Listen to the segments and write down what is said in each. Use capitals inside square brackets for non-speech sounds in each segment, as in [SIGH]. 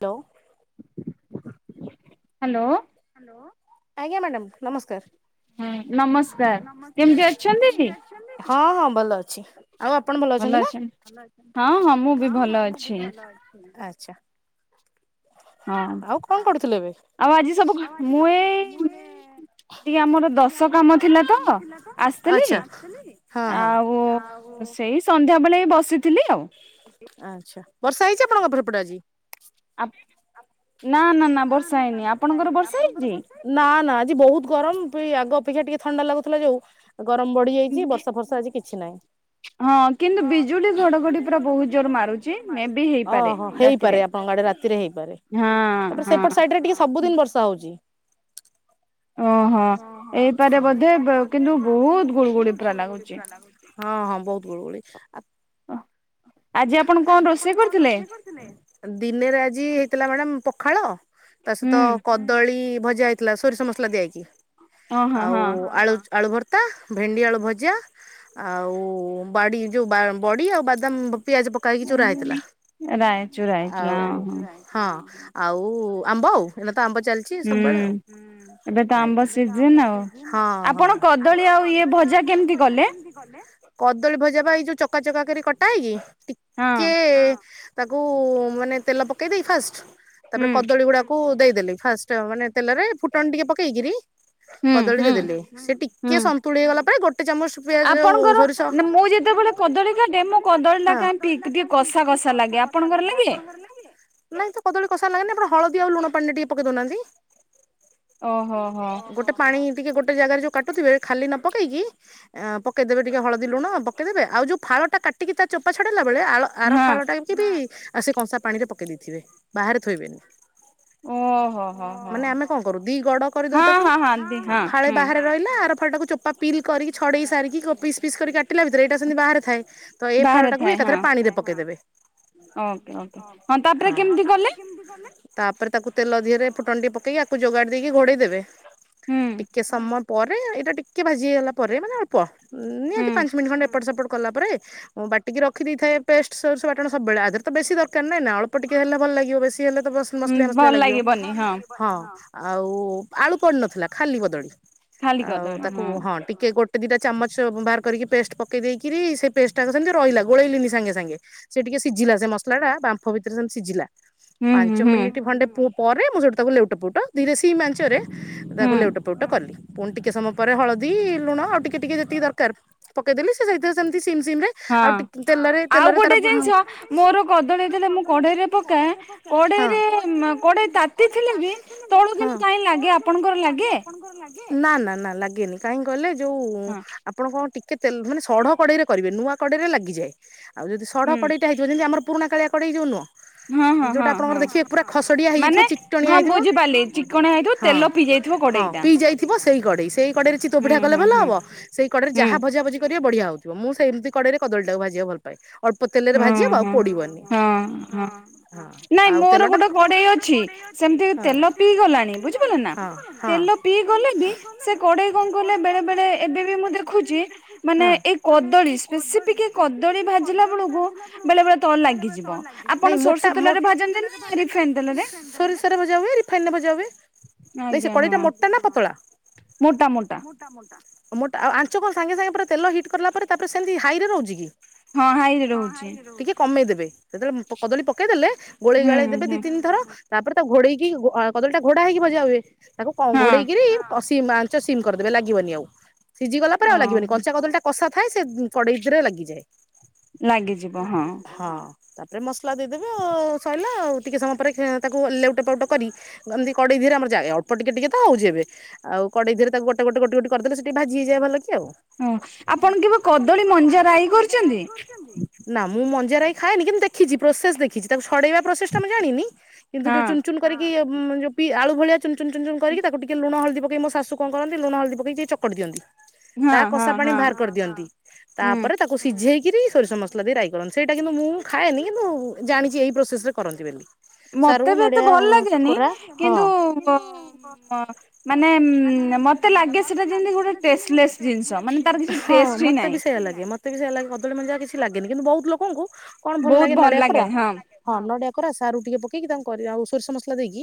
ତ hello. Hello ଆଜ୍ଞା madam ନମସ୍କାର। ହୁଁ ନମସ୍କାର କେମିତି ଅଛନ୍ତି କି? ହଁ ହଁ ଭଲ ଅଛି। ଆଉ ଆପଣ ଭଲ ଅଛନ୍ତି ନା ଭଲ ଅ ହଁ ମୁଁ ବି ହଁ ଭଲ ହଁ ମୁଁ ବି ଅଛି ଭଲ ଅଛି। ଆଚଛା ହଁ ଆଉ କଣ କରୁଥିଲ ଏବେ। ଆଉ ଆଜି ସବୁ ମୁଁ ଏଇ ଟିକେ ଆମର ଦଶ କାମ ଥିଲା ତ ଆ ଥିଲି ଆଚ୍ଛା ହଁ ହଁ ଆଉ ସେଇ ସନ୍ଧ୍ୟାବେଳେ ବସିଥିଲି ଆଉ। ଆଚ୍ଛା ବର୍ଷା ହେଉଛି ଆପଣଙ୍କ ସେପଟେ ଆଜି। ନା ନା ନା ବର୍ଷା ହେଇନି ଆପଣଙ୍କର ବର୍ଷା ହେଇଛି। ନା ନା ଆଜି ବହୁତ ଗରମ ଆଗ ଅପେକ୍ଷା ଟିକେ ଥଣ୍ଡା ଲାଗୁଥିଲା ଯୋଉ। ଗରମ ବଢି ଯାଇଛି ବର୍ଷା ଫର୍ଷା ଆଜି କିଛି ନାହିଁ। ହଁ କିନ୍ତୁ ବିଜୁଳି ଘଡଘଡି ବହୁତ ଜୋର ମାରୁଛି ମେ ବି ହେଇପାରେ ଓହୋ ହେଇପାରେ ରାତିରେ ଆପଣଙ୍କ ଆଡେ ରାତିରେ ହେଇପାରେ। ହଁ। ତାପରେ ହଁ ସେପଟ ସାଇଡ ରେ ଟିକେ ସବୁଦିନ ବର୍ଷା ହଉଛି। ଓହୋ ଏଇପାରେ ବୋଧେ କିନ୍ତୁ ବହୁତ ଗୁଡୁ ଗୁଡି ପୁରା ଲାଗୁଛି। ହଁ, ହଁ, ବହୁତ ଗୁଡ ଗୁଳି ଆ। ଆଜି ଆପଣ କଣ ରୋଷେଇ କରିଥିଲେ? ଦିନେରେ ଆଜି ହେଇଥିଲା ମ୍ୟାଡାମ୍ ପଖାଳ ତା ହୁଁ ସହିତ କଦଳୀ ଭଜା ହେଇ ଥିଲା ସୋରିଷ ମସଲା ଦିଆକି ଓ ହଁ ଆଉ ହଁ। ଆଳୁ ଆଳୁ ଭର୍ତ୍ତା, ଭେଣ୍ଡି ଆଳୁ ଭଜା। ଆଉ ବାଡ଼ି ଯୋଉ ବଡ଼ି ଆଉ ଏକଦମ ପିଆଜ ପକେଇକି ଚୁରୁର ହେଇଥିଲା, ରାଇଚୁ ରାଇଚୁଲା ଆଉ। ଓ ହଁ, ଆଉ ଆମ୍ବ ଆଉ। ହେ ତ ଆମ୍ବ ଚାଲିଛି ସବୁବେଳେ ଆଉ ହୁଁ ଏବେ ତ ଆମ୍ବ ସିଜିନ ଆଉ। ହଁ। ହଁ ଆପଣ କଦଳୀ ଆଉ ଇଏ ଭଜା କେମିତି କଲେ? କଦଳୀ ଭଜା ବା ଏଇ ଯୋଉ ଚକା ଚକା କରି କଟା ହେଇକି ହଁ ଟିକେ। ତାକୁ ମାନେ ତେଲ ପକେଇଦେଇ ଫାଷ୍ଟ। ତାପରେ, ହୁଁ କଦଳୀ ଗୁଡାକୁ ଦେଇଦେଲି ଫାଷ୍ଟ। ମାନେ ତେଲରେ ଫୁଟଣ ଟିକେ ପକେଇକିରି ହୁଁ କଦଳୀ ହୁଁ ଦେଇଦେଲେ। ସେ ହୁଁ ଟିକେ ସନ୍ତୁଳି ହେଇ ଗଲା ପରେ, ଗୋଟେ ଚାମଚ ପିଆଜ, ଆପଣଙ୍କର ସୋରିଷ ନା ମୁଁ ଯେତେବେଳେ କଦଳୀ କାଟେ। ମୋ କଦଳୀ ଟା କାଁ ଟିକେ କଷା, କଷା ଲାଗେ। ଆପଣଙ୍କର ଲାଗେ? ନାଇଁ ତ କଦଳ କଷାର ଲାଗେି ଆପଣ ହଳଦୀ ଆଉ ଲୁଣ ପାଣି ଟିକେ ପକେଇ ଦଉନାହାନ୍ତି। ଓହୋ ହୋ। ଗୋଟେ ପାଣି ଟିକେ ଗୋଟେ ଜାଗାରେ ଯୋଉ କାୁଥେ ଖାଲି ନ ପକେଇକି। ଁ ପକେଇଦବେ ଟିକେ ହଳଦୀ ଲୁଣ ପକେଇଦେବେ। ଆଉ ଫଳ ଟା ଟିକି ତା ଚୋପା ଛଡ଼ାଇଲା ବେଳେ ଆର ହଁ ଫାଳଟା। ବି ଆଉ ସେ କଂସା ପାଣି ରେ ପକେଇ ଦେଇଥିବେ। ବାହାରେ ଥୋଇବେନି। ଓହୋ। ହୋ ହୋ। ମାନେ ଆମେ କଣ କରୁ ଦି ଗଡ କରିଦଉ ହଁ ତାକୁ। ହଁ ହଁ ଦି ହଁ ଫାଳେ ହୁଁ ବାହାରେ ରହିଲା ଆର ଫା ତାକୁ ଚୋପ ବା ପିଲ୍ କରିକି ଛଡେଇ ସାରିକି ପିସ୍ ପିସ୍ କରି କାଟିଲା ଭିତରେ ଏଇଟା ସେମିତି ବାାରେ ଥାଏ। ତ ଏଇ ବାହାରେ ଫାଳଟାକୁ ଥାଏ ବି ହଁ ଏକାଥ ପାଣିରେ ପକେଇଦେବେ। Okay okay. ହଁ, ତାପରେ କେମିତି କଲେ? ତାପରେ ତାକୁ ତେଲ ଧିହରେ ଫୁଟଣ୍ଡି ପକେଇକି ଆକୁ ଯୋଗାଡି ଦେଇକି ଘୋଡ଼େଇ ଦେେବେ। ହୁଁ ଟିକେ ସମୟ ପରେ, ଏଇଟା ଟିକେ ଭାଜି ହେଇଗଲା ପରେ ମାନେ ଅଳ୍ପ। ନିଁହାଜି ହୁଁ। ପାଞ୍ଚ ମିନିଟ୍ ଖଣ୍ଡେ ଏପଟ ସେପଟ କଲା ପରେ ମୁଁ ବାଟିକି ରଖିଦଥାଏ ପେଷ୍ଟ। ସୋସ ବାଟଣ ସବୁବେଳେ ଆଧରେ ତ ବେଶୀ ଦରକାର ନାହିଁ ନା। ଅଳ୍ପ ଟିକେ ହେଲେଲ ଲାଗ ବେଶି ହେଲେ ତ ବସ ମସ ହୁଁ ମସ ଭଲ ଲାଗିବ ଲାଗିବନି ହଁ ହଁ‌ ଆଉ ଆଳୁ ପଡି ନଥିଲା ଖାଲି କଦଳୀ। ଖାଲି ଆଉ କଦଳୀ ତାକୁ ହଁ। ଟିକେ ଗୋଟେ, ଦିଟା ଚାମଚ ବାହାର କରିକି ପେଷ୍ଟ ପକେଇ ଦେଇକିରି ସେ ପେଷ୍ଟ। ସୋ ସେମି ରହିଲ। ଗୋଳେଇଲିନି ସାଙ୍ଗେ, ସାଙ୍ଗେ। ସେ ଟିକେ ସିଝିଲା। ସେ ମସଲା ଟା ବାମ୍ପ ଭିତରେ ସେମି ସିଝିଲା। ହୁଁ ହୁଁ ପାଞ୍ଚ ହୁଁ ମିନିଟ ଖଣ୍ଡେଅ ପରେ ମୁଁ ଯୋଠି ତାକୁ ଲେଉଟ ପୁଟ ଧିରେ ସି ମାଞ୍ଚ ରେ। ହୁଁ ତାକୁ ଲେଉଟ ଫେଉଟ କଲି। ପୁଣି ଟିକେ ସମୟ ପରେ ହଳଦୀ, ଲୁଣ ଆଉ ଟିକେ ଟିକେ ଯେତିକି ଦରକାର ପକେଇଦେଲି। ସେରେ ସେମିତି ସିମ ସିମ ରେ ଆଉ ହଁ ତେଲରେ ଆଉ ତେଲରେ ଗୋଟେ ତାର ଡ କ ଜିନିଷ ମୋର କଦଳୀ ଯେତେବେଳେ ମୁଁ ଚାଚଥିଲେ କଢେଇରେ କି ପକାଏ ତଣଦିନ କଡେଇରେ କଡେଇ ତାତି ଥିଲେ ବି ତଳୁ କିନ୍ତୁ କାହିଁ ଲାଗେ ଆପଣଙ୍କର ଲାଗେ ଆପଣଙ୍କର ଲାଗ [UNINTELLIGIBLE] ନା ନା ନା ଲାଗେନି। କାହିଁ ଗଲେ ଯୋଉ। ହଁ ଆପଣ କଣ ଟିକେେ ମାନେ ସଢ଼ କଡ଼େଇରେ କରିବେ। ନୂଆ କଡ଼େଇରେ ଲାଗିଯାଏ। ଆଉ ଯଦି ସଢ଼ ହୁଁ କଡ଼େଇ ଟଟା ହେଇିବ ଯେମିତି ଆମର। ପୁଣାକାାଆଡ଼େଇ ଯାଉୁଁ। ହଁ ହଁ ଯୋଉଟା ହଁ ଆପଣଙ୍କର ହଁ ଦେଖିବେ ପୁରା ଖସଡିଆ ମାନେ ହେଇଯାଇଥିବ। ଚିକଟଣିଆ ହଁ ହେଇଥିବ। ବୁଝିପାରିଲି ଚିକଣା ହେଇଥିବ ହଁ, ତେଲ ପିଇ ଯାଇଥିବ ହଁ। କଡେଇଟା ପିଇ ଯାଇ ଥିବ ସେଇ କଡ଼େଇ। ସେଇ କଡ଼େଇରେ ଚିତୋ ହୁଁ ପିଠା କଲେ ହୁଁ ଭଲ ହୁଁ ହବ। ସେଇ କଡ଼ରେ ହୁଁ ଯାହା ଭଜାଭଜି କରିବ ବଢିଆ ହଉଥିବ। ମୁଁ ସେମ କଡରେ କଦଳଟକୁାିବା ଭଲ। ଅଳ୍ପ ତେଲରେ ଭା ହୁଁ ଆଉ ହୁଁ ପଡିବନିଁ। ହଁ ହଁ ନାଇଁ ଆଉ ମୋର ତେଲା ଗୋଟେ କଡେଇ ଅଛି [UNINTELLIGIBLE] ସେମିତି ମିତି ପିଇ ତେଲ ଗଲାଣି ବୁଝିପାରିଲେ ପିଇଗଲା ନା ତେ ତେଲ ପିଇ ପିଇଲା ଗଲେ ବି [UNINTELLIGIBLE] ସେ କଡେଇ କଣ କହିଲେ ବେଳେ ବେଳେ ଏବେ ବି ମୁଁ ଦେଖୁଛି ମାନେ ଏଇ କଦଳୀ କଦଳୀ ରେସିପି କି କଦଳୀ ଭାଜିଲା ବେଳକୁ ବେଳେ ବେଳେ ତଳ ଲାଗିଯିବ ଆପଣ ସୋରିଷ ତେଲରେ ଭାଜନ୍ତି ନା ରିଫାଇନ ତେଲରେ? ସୋରିଷରେ ଭଜା ହୁଏ ରିଫାଇନ ରେ ଭଜା ହୁଏ। ନାଇଁ ଆଜ୍ଞା ସେଇ କଡ଼େଇ ଟା ହଁ। ମୋଟା ନା ପତଳା? ମୋଟା ମୋଟା ମୋଟା, ଆଉ ଆଞ୍ଚ କଣ ସାଙ୍ଗେ ସାଙ୍ଗେ ପରେ ତେଲ ହିଟ୍ କଲା ପରେ ତାପରେ ସେମିତି ହାଇରେ ରହୁଛି କି? ହଁ ହାଇରେ ହଁ ହାଇରେ ରହୁଛି, ଟିକେ କମେଇଦେବେ। ସେତେବେଳେ କଦଳୀ ପକେଇ ଦେଲେ ଗୋଳେଇ ହୁଁ ଗାଳେଇ ଦେବେ ହୁଁ ଦି, ତିନି ଥର ତାପରେ ତାକୁ ଘୋଡେଇକି କଦଳୀ ଟା ଘୋଡା ହେଇକି ଭଜା ହୁଏ ତାକୁ କଣ ଘୋଡେଇକିରି ସିମ ଆଞ୍ଚ ସିମ କରିଦେବେ ଲାଗିବନି ଆଉ ସିଝିଗଲା ପରେ ଆଉ ଲାଗିବନି ଓହୋ। କଞ୍ଚା କଦଳୀ ଟା କଷା ଥାଏ ସେ କଡ଼େଇ ଦେହେରେ ଲାଗିଯାଏ। ଲାଗିଯିବ ହଁ, ତାପରେ ମସଲା ଦେଇଦେବେ ଆଉ ସଇଲା ଆଉ ଟିକେ ସମୟ ପରେ ତାକୁ ଲେଉଟ ପାଉଟ କରି ଏମିତି କଡ଼େଇ ଧିରେ ଆମର ଯାଏ ଅଳ୍ପ ଟିକେ ଟିକେ ତ ଆଉ କଡେଇ ଦେହରେ ତାକୁ ଗୋଟେ, ଗୋଟେ, ଗୋଟି, ଗୋଟି କରିଦେଲେ ସେ ଟିକେ ଭାଜି ହେଇଯାଏ ଭଲ କି ଆଉ ହଁ, ଆପଣ କେ ଆପଣ କେବେ କଦଳୀ ମଞ୍ଜା ରାଇ କରିଚନ୍ତି? ନା ମୁଁ ମଞ୍ଜାରାଇ ଖାଏନି କିନ୍ତୁ ଦେଖିଛି ପ୍ରୋସେସ ଦେଖିଛି ତାକୁ ଛଡେଇବା ପ୍ରୋସେସ ଟା ମୁଁ ଜାଣିନି କିନ୍ତୁ ହଁ ଯୋଉ ଚୁନ ଚୁନ କରିକି ଯୋଉ ପି ଆଳୁ ଭଳିଆ ଚୁନ ଚୁନ କରିକି ତାକୁ ଟିକେ ଲୁଣ, ହଳଦୀ ପକେଇ ମୋ ଶାଶୁ କଣ କରନ୍ତି ଲୁଣ, ହଳଦୀ ପକେଇକିଏ ଚକଟି ଦିଅନ୍ତି, ତା ହଁ କଷା ହଁ ପାଣି ହଁ ବାହାର କରିଦିଅନ୍ତି। ହୁଁ। ତାପରେ ତାକୁ ସିଝେଇକିରି ସୋରିଷ ମସଲା ଦେଇ ରାଇ କରନ୍ତି, ସେଇଟା କିନ୍ତୁ ମୁଁ ଖାଏନି କିନ୍ତୁ ଜାଣିଛି ଏହି ପ୍ରୋସେସ୍ରରେ କରନ୍ତି ବୋଲି। ସାରୁ ମତେ ବି ଏତେ ନଡିଆ ଭଲ ଲାଗେନି କୋରା ହଁ କିନ୍ତୁ ମାନେ ଉ ମତେ ଲାଗେ ସେଟା ଯେମିତି ଗୋଟେ ଟେଷ୍ଟଲେସ୍ ଜିନିଷ ମାନେ ତାର କିଛି ଟେଷ୍ଟ ହିଁ ନାହିଁ। ସେୟଆ ଲାଗେ ମତେ ବି ସେୟଆ ଲାଗେ କଦଳୀ ମଞ୍ଜା କିଛି ଲାଗେନି କିନ୍ତୁ ବହୁତ ଲୋକଙ୍କୁ କଣ ଭଲ ଲାଗେ ନଡିଆ କୋରା ହଁ, ନଡିଆ କୋରା ସାରୁ ଟିକେ ପକେଇକି ତାଙ୍କୁ କରିବା ଆଉ ସୋରିଷ ମସଲା ଦେଇକି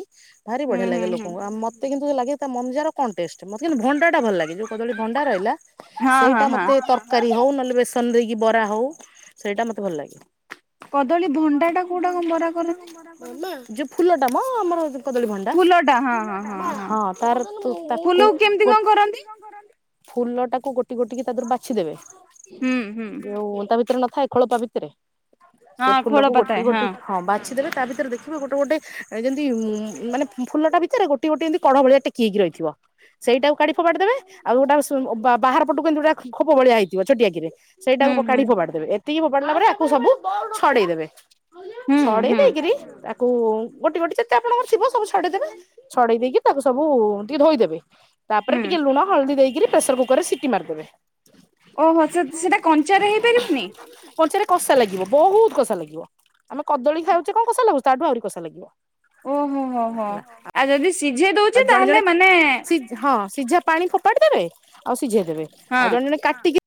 ଭାରି ହୁଁ ବଢିଆ ହୁଁ ଲାଗେ ହୁଁ ଲୋକଙ୍କୁ ଆଉ ମ ତେ କିନ୍ତୁ ଲାଗେ ତା ମଞ୍ଜାର କଣ ଟେଷ୍ଟ୍, ମତେ କିନ୍ତୁ ଭଣ୍ଡାଟା ଭଲ ଲାଗେ ଯଉ କଦଳୀ ଭଣ୍ଡା ରହିଲା ହଁ ହଁ ସେଇଟା ହଁ ମତେ ତରକାରୀ ହଉ ନହେଲେ ବେସନ ଦେଇକି ବରା ହଉ ସେଇଟା ମତେ ଭଲ ଲାଗେ। କଦଳୀ ଭଣ୍ଡା ଟା କୋଉଟା କଣ ବରା କରନ୍ତି? ଯୋଉ ଫୁଲ ଟା ମ ଆମର କଦଳୀ ଭଣ୍ଡା ଫୁଲଟା ହଁ ହଁ ହଁ, ତାର ତାକୁ ଫୁଲକୁ କେମିତି ଗୋ କଣ କରନ୍ତି? ଫୁଲ ଟାକୁ ଗୋଟି ଗୋଟିକି ତା ଦେହରୁ ବାଛିଦେବେ ହୁଁ ହୁଁ ଯଉ ତା ଭିତରେ ନଥାଏ ଖୋଳପା ଭିତରେ, ସେ ହଁ ଖୋଳ ଫୁଲକୁ ଗୋଟି ପତାଏ ଗୋଟି ହଁ, ବାଛିଦେବେ ତା ଭିତରେ ଦେଖିବେ ଗୋଟେ ଗୋଟେ ଯେମିତି ଉ ମାନେ ଫୁଲଟା ଭିତରେ ଗୋଟେ ଗୋଟେ ଏମିତି କଢ଼ ଭଳିଆ ଟିକ କି ହେଇକି ରହିଥିବ, ସେଇଟାକୁ କାଢି ଫୋପାଡି ଦେବେ ଆଉ ଗୋଟା ବାହାର ପଟକୁ ଏମିତି ଗୋଟେ ଖୋପ ଭଳିଆ ହେଇଥିବ ଛୋଟିଆକିରି ସେଇଟା ହୁଁ କୁ ହୁଁ କାଢି ଫୋପାଡି ଦେବେ। ତିକି ଫୋପାଡିଲା ପରେ ଆକୁ ସବୁ ଛଡେଇଦେବେ, ହୁଁ ହୁଁ ଛଡେଇ ହୁଁ ଦେଇକିରି କୁ ଗୋଟି ଗୋଟି ଯେତେ ଆପଣଙ୍କର ଥିବ ସବୁ ଛଡେଇ ଦେବେ। ଛଡେଇ ଦେଇକି ତାକୁ ସବୁ ଟିକେ ଧୋଇଦେବେ ତାପରେ ହୁଁ ଟିକେ ଲୁଣ ହଳଦୀ ଦେଇକରି ପ୍ରେସର କୁକରରେ ସିଟି ମାରିଦେବେ। ଓହୋ ସେ ସେଟା କଞ୍ଚା ରେ ହେଇପାରିବନି? କଞ୍ଚାରେ କଷା ଲାଗିବ ବହୁତ କଷା ଲାଗିବ, ଆମେ କଦଳୀ ଖାଉଛେ କଣ କଷା ଲାଗୁଛ ତାଠୁ ଆହୁରି କଷା ଲାଗିବ। ଓହୋ ହୋ, ହୋ, ହେଲା ଆଉ ଯଦି ସେ ଆଉ ଜଣେ ଜଣେ ସି ହଁ ସିଝା ପାଣି ଫୋପାଡ଼ି ଦେବେ ଆଉ ସିଝେଇ ଦେବେ, ହଁ ଆଉ ଜଣେ ଜଣେ କାଟିିକି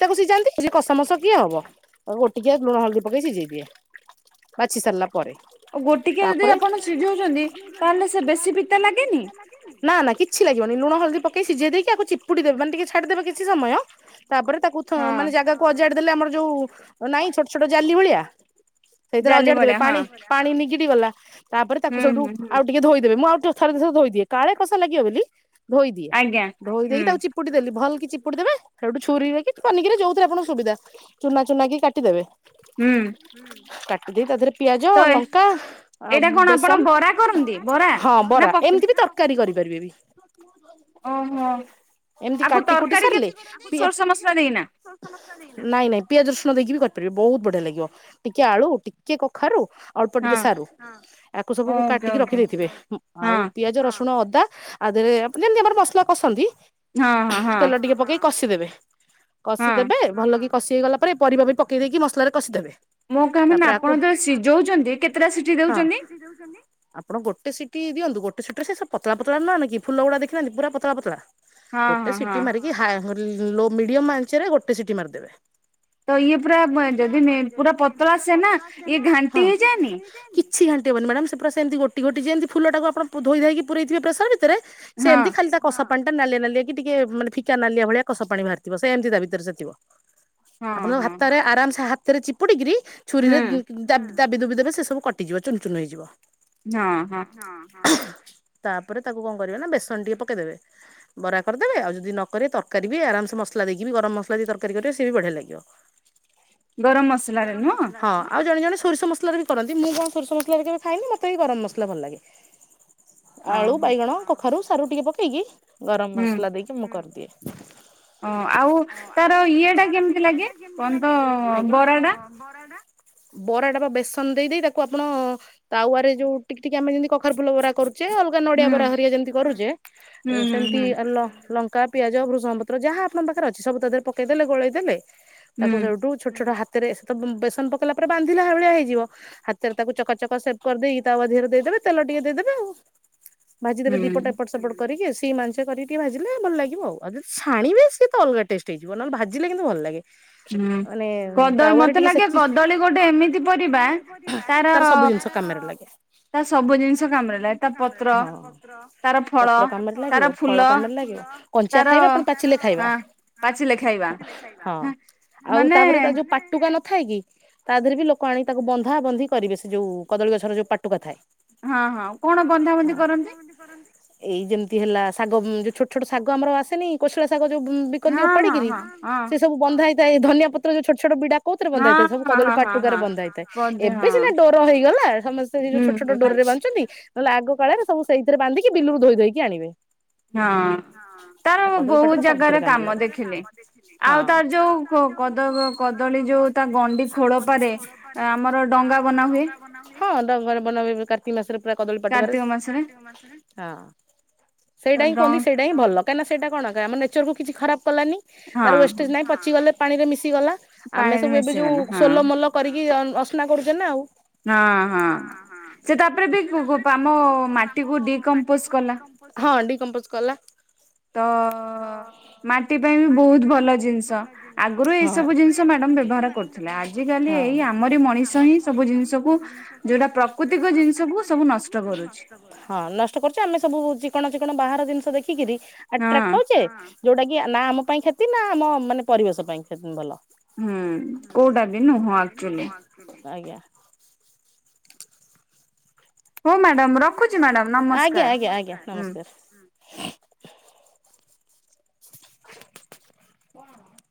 ତାକୁ ସିଝାନ୍ତି ସେ କସମସ କିଏ ହବ ଆଉ ଗୋଟିକିଆ ଲୁଣ, ହଳଦୀ ପକେଇ ସିଝେଇ ଦିଏ। ପାଚି ସାରିଲା ପରେ। ଆଉ ଗୋଟିକିଆ ଯଦି ତାପରେ ଆପଣ ସିଝଉଛନ୍ତି ତାହେଲେ ସେ ବେଶୀ ପିତା ଲାଗେନି? ନା, ନା କିଛି ଲାଗିବନି ଲୁଣ, ହଳଦୀ ପକେଇ ସିଝେଇ ଦେଇକି ଆକୁ ଚିପୁଡ଼ି ଦେବେ ମାନେ ଟିକେ ଛାଡିଦେବେ କିଛି ସମୟ ତାପରେ ତାକୁ ଥ ହଁ ମାନେ ଜାଗାକୁ ଅଜାଡି ଦେଲେ ଆମର ଯୋଉ ନାଇଁ ଛୋଟ, ଛୋଟ ଜାଲି ଭଳିଆ? ସେଇଥିରେ ଜାଲି ଅଜାଡ଼ି ଦେବେ ଭଳିଆ ହଁ ପାଣି ପାଣି ନିଗିଡ଼ି ଗଲା ତାପରେ ତାକୁ ହୁଁ ସେଉଠୁ ହୁଁ ଆଉ ହୁଁ ଟିକେ ଧୋଇଦେବେ, ମୁଁ ଆଉ ଥରେ ଦିଥରେ ଧୋଇ ଦିଏ କାଳେ କଷା ଲାଗିବ ବୋଲି ଧୋଇ ଦିଏ ଆଜ୍ଞା ଧୋଇ ଦେଇକି ହୁଁ ତାକୁ ଚିପୁ ପୁଡ଼ି ଦେଲି ଭଲ୍ କି ଚିପୁଡ଼ି ଦେବେ। ସେଉଠୁ ଛୁରୀରେ କି ପନିକି ରେ ଯୋଉଥିରେ ଆପଣ ସୁବିଧା ଚୁନା ଚୁନା କି କାଟିଦେବେ। ହୁଁ। କା ଦେଇ ତା ଦେହରେ ପିଆଜ, ତ ଲଙ୍କା ଏଇଟା ଆଉ କଣ ଆପଣ ବେସନ ବରା କରନ୍ତି ବରା ହଁ ନା ବରା ପକ ଏମିତି ବି ତରକା କାରି କରିପାରିବେ ବି। ଓହୋ ଏମିତି ଆକୁ କାଟି କୁଟି ତରକାରୀ ସାରିଲେ କେମିତି କରନ୍ତି, ପିଆ ସୋରଷ ମସଲା ଦେଇକିନା? ନାଇଁ ନାଇଁ ପିଆଜ ରଷୁଣ ଦେଇକି ବି କରିପାରିବେ, ବହୁତ ବଢିଆ ଲାଗିବ। ଟିକେ ଆଳୁ ଟିକେ କଖାରୁ ଅଳ୍ପ ହଁ ଟିକେ ସାରୁ ଆକୁ ସବୁକୁ ଓକେ କାଟିକି ଓକେ ରଖିଦେଇଥିବେ, ଆଉ ହଁ ପିଆଜ, ରସୁଣ, ଅଦା ଆ ଦେହରେ ଆପ ଯେମତି ଆମର ମସଲା କଷନ୍ତି, ହଁ ହଁ ହଁ ତେଲ ଟିକେ ପକେଇକି କଷିଦେବେ। ହଁ କଷିଦେବେ ଭଲ କି କଷି ହେଇଗଲା ପରେ ପରିବା ବି ପକେଇ ଦେଇକି ମସଲାରେ କଷିଦେବେ। ମୋ କାହା ମାନ ତାପରେ ଆକୁ ଆପଣ ଯେ ସିଝଉଛନ୍ତି କେତେଟା ସିଟିି ଦଉଛନ୍ତି? ସିଯୋଚନ୍ତି ଆପଣ ଗୋଟେ ସିଟି ଦିଅନ୍ତୁ ଗୋଟେ ସିଟରେ ସେ ପତଳା ପତଳା ନେ କି ଫଲଗୁଡା ଦେଖି ନାହାନ୍ତି ପୁର ପତଳା ପତଳା। ହଁ ଗୋଟେ ହଁ ହଁ ସିଟି ମାରିକି ହା ଲୋ ମିଡିୟମ ଆଞ୍ଚରେ ଗୋଟେ ସିଟି ମାରିଦେବେ। ତ ଇଏ ପୁରା ଯଦି ପୁରା ପତଳା ଆସେନା ଇଏ ଘାଣ୍ଟି ହଁ ହେଇଯାଏନି। କିଛି ଘାଟି ହବନି ମ୍ୟାଡ଼ାମ ସେ ପୁରା ସେମତି ଗୋଟି ଗୋଟି ଯେମତି ଫୁଲ ଟାକୁ ଆପଣ ଧୋଇ ଦେଇକି ପୁରେଇଥିବ ପ୍ରେସର୍ ଭିତରେ ହଁ ସେମିତି ଖାଲି ତା କଷା ପାଣି ଟା ନାଲିଆ ନାଲିଆ କି ଟିକେ ମାନେ ଫିକା ନାଲିଆ ଭଳିଆ କଷ ପାଣି ବାହାରିଥିବ ସେ ଏମିତି ତା ଭିତରେ ସେ ଥିବ ହଁ ଆପଣଙ୍କ ହଁ ହାତରେ ଆରାମସେ ହା ସେଥିରେ ଚିପୁଡ଼ିକିରି ହୁଁ ଛୁରୀରେ ଦାବି ଦୁବି ଦେବେ ସେ ସବୁ କଟିଯିବ ଚୁନ୍ ଚୁନ୍ ହେଇଯିବ। ହଁ ହଁ। ହଁ ହଁ ହଁ ତାପରେ ତାକୁ କଣ କରିବେ ନା ବେସନ ଟିକେ ପକେଇଦେବେ ବରା କରିଦେବେ ଆଉ ଯଦି ନ କରିବେ ତର କରିବେ ଆରାମସେ ମସଲା ଦେଇକି ବି ଗରମ ମସଲା ଦେଇ ତରକାରୀ କରିବେ ସେ ବି ବଢିଆ ଲାଗିବ। ଗରମ ମସଲାରେ ଗରମ ନୁହଁ ମସଲା ହଁ। ଆଉ ଜଣେ ଜଣ ସୋରିଷ ମସଲାରେ ବି କରନ୍ତି ମୁଁ କଣ ସରିଷସଲାରେ କେବେ ଖାଇନି ମତେ ବି ଗରମ ମସଲା ଭଲ ଲାଗେ। ଆଳୁ ଓହୋ ବାଇଗଣ କଖାରୁ ସାରୁ ଟିକେ ପକେଇକି ଗରମ ମସଲା ଦେଇକି ମୁଁ କରିଦିଏ। ହଁ ଆଉ ତାର ଇଏଟା କେମିତି ଲାଗେ କଣ ତ ବରାଟା? ବରା ଟା ବରାଟା ବା ବେସନ ଦେଇ ଦେଇ ତାକୁ ଆପଣ ତାୱରେ ଯୋଉ ଟିକି ଟିକି ଆମେ ଯେମିତି କଖାରୁ ଫୁଲ ବରା କରୁଚେ ଆଲ ନଡ଼ିଆ ହୁଁ ବରା ହରିକା ଯେମିତି କରୁଚେ ହୁଁ ସେମିତି ହୁଁ ଲ ଲଙ୍କା ବୃଷଙ୍ଗପତ୍ର ଯାହା ଆପଣଙ୍କ ପାଖରେ ଅଛି ସବୁ ତା ଦେହରେ ପକେଇ ଦେଲେ ଗୋଳେଇ ଦେଲେ ହୁଁ ତାକୁ ସେଉଠୁ ଛୋଟ ଛୋଟ ହାତ ରେ ସେ ତ ବେସନ ପକେଇଲା ପରେ ବାନ୍ଧିଲା ଭଳିଆ ହେଇଯିବ। ହାତରେ ତାକୁ ଚକା ଚକା ସେ କରିଦେଇକି ତାୱ ଦିହରେ ଦେଇଦେବେ ତେଲ ଟିକେ ଦେଇଦେବେ ଆଉ। ଭାଜି ଦେବେ ହୁଁ ଦିପଟ ଏପଟ ସେପଟ କରିକି ସେଇ ମାଂସ କରିକି ଭାଜିଲେ ଭଲ ଲାଗିବ ଆଉ। ଅଯେ ଛାଣିବି ସେତ ଅଲଗା ଟେଷ୍ଟ ହେଇଯିବ ନହେଲେ ଭାଜିଲେ କିନ୍ତୁ ଭଲ ଲାଗେ। ହୁଁ ହୁଁ ମାନେ କଦଳୀ ତାୱରେ ମତେ ଟିକେ ଲାଗେ ସେକିକି ମତେ କଦଳୀ ଲାଗେ ଗୋଟେ କଦଳି ଏମିତି ଗୋଟେ ପରିବା ଏମିତି ତାର ସବୁ ଜିନିଷ କାମରେ ଲାଗେ। ତାର ସବୁ ଜିନିଷ କାମରେ ଲାଗେ ତା ପତ୍ର ପତ୍ର ତାର ଫଳ ତାର ଫୁଲ ଙ୍କଞ୍ଚା ତାର ଖାଇବା ପୁଣି ପାଚିଲେ ଖାଇବା। ହଁ ପାଚିଲେ ଖାଇବା ହଁ ଆଉ ମାନେ ତାପରେ ତା ଯୋଉ ପାଟୁକା ନ ଥାଏ କି ତା ଦେହରେ ବି ଲୋକ ଆଣିକି ତାକୁ ବନ୍ଧା ବନ୍ଧି କରିବେ ସେ ଯୋଉ କଦଳୀ ଗଛର ଯୋଉ ପାଟୁକା ଥାଏ। ହଁ ହଁ କଣ ବନ୍ଧାବନ୍ଧି କରନ୍ତି? ଏଇ ଯେମିତି ହେଲା ଶାଗ ଯୋଉ ଛୋଟ ଛୋଟ ଶାଗ ଆମର ଆସେନି କୋଶଳା ଶାଗ ଯୋଉ ବି କନ୍ତି ହଁ ହଁ ଓପାଡିକିରି ହଁ ହଁ ସେ ସବୁ ବନ୍ଧ ହେଇଥାଏ ଧନଆ ପତ୍ର ଯୋଉ ଛୋଟ ଛୋଟ ବିଡା। କଉଥି ରେ ବନ୍ଧା ହଁ ହେଇଇଥାଏ ସବ ହଁ କଦଳୀ ହଁ ହଁ ପାଟୁକା ହଁ ରେ ବନ୍ଧା ହେଇଥାଏ। ବୋଧେ ଏବେ ହଁ ସିନା ଡୋର ହେଇଗଲା ସମସ୍ତେ ସେ ଯୋଉ ହୁଁ ଛୋଟ ଛୋଟ ହୁଁ ଡୋର ରେ ବାନ୍ଧୁଛନ୍ତି। ନ ହେଲେ ଆଗ କାଳ ସବୁ ସେଇଥିରେ ନ୍ଧିକି ବିଲରୁ ଧୋଇ ଧୋଇକି ଆଣିବେ। ହଁ। ତାର ଆଉ କଦଳୀ ବହୁତ ପାଟୁକା ସବୁଥିରେ ଜାଗାରେ କାମରେ କାମ ଲାଗେ ଦେଖିଲେ ଆଉ ହଁ। ତାର ଯୋଉ କଦଳୀ ଯୋଉ ତା ଗଣ୍ଡି ଖୋଳପାରେ ଆମର ଡଙ୍ଗା ବନା ହୁୁଏ। ହଁ ଡଙ୍ଗା ରେ ବନା ହୁଏ, କାର୍ତ୍ତିକ ମାସରେ ପୁରା କଦଳୀ ପାଟୁ କା ରେ, କାର୍ତ୍ତିକ ମାସରେ କାର୍ତ୍ତିକ ମାସରେ। ତ ସେଇଟା ହିଁ ଡ କହନ୍ତି ସେଇଟା ହଁ ଭଲ କାହିଁକି ନା ସେଇଟା କଣ ଆମ ନେଚରକୁ କିଛି ଖପ କଲାନି, ହଁ ତାର ୱଷ୍ଟେଜ ନାହିଁ। ପଚି ଗଲେ ପାଣି ରେ ମିଶି ଗଲା ଆମେ ପାଣିରେ ସବୁ ଏବେ ଯୋଉ ମିଶିଗଲା ହଁ ସୋଲ ମୋଲ କରିକି ଅସନା କରୁଛେ ନା ଆଉ। ହଁ, ହଁ ସେ ତାପରେ ବି ଆମ ମାଟିକୁ ଡି କମ୍ପୋଜ କଲା। ହଁ, ଡିିକମ୍ପୋଜ କଲା। ତ ତ ମାଟି ପାଇଁ ବି ବହୁତ ଭଲ ଜିନିଷ ଆଗରୁ ଏଇ ହଁ ସବୁ ଜିନିଷ ମ୍ୟାଡମ ବ୍ୟବହାର କରୁ ଆଜି କାଲି ଏଇ ହଁ। ଆମରି ମଣିଷ ହିଁ ସବୁ ଜିନିଷକୁ ଯୋଉଟା ପ୍ରାକୃତିକ ଜିନିଷକୁ ସବୁ ନଷ୍ଟ ତ କରୁଛି। ହଁ, ନଷ୍ଟ କରୁଛେ ଆମେ ସବୁ ଚିକଣ ଚିକଣ ବାହାର ଜିନିଷ ଦେଖି କିରି। ହଁ ଆଟ୍ରାକ୍ଟ ହଉଛେ ଯୋଉଟା କି ନା ଆମ ପାଇଁ କ୍ଷତି ନା ଆମ ମାନେ ପରିବେଶ ପାଇଁ କ୍ ଭଲ। ହୁଁ, କୋଉଟା ବି ନୁହଁ ଆକ୍ଚୁଆଲି। ଆ୍ଞା। ହଉ ମ୍ୟାଡାମ ହଉ ମ୍ୟାଡ଼ାମ ମ୍ୟାଡାମ ରଖୁଛି, ଆଜ୍ଞା, ନମସ୍କାର ଆଜ୍ଞା, ଆଜ୍ଞା, ହୁଁ ନମସ୍କାର।